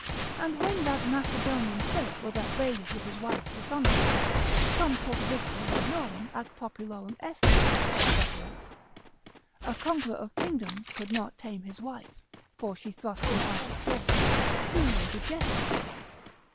And when that Macedonian Philip was upbraided with his wife's dishonesty, cum tot victor regnorum ac populorum esset, &c., a conqueror of kingdoms could not tame his wife (for she thrust him out of doors), he made a jest of it.